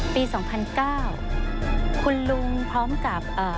ปี๒๐๐๙คุณลุงพร้อมกับ